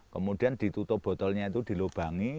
kemudian ditutup botolnya itu dilobangi